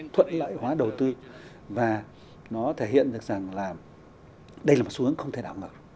thuận lợi hóa đầu tư và nó thể hiện được rằng là đây là một xu hướng không thể đảo mở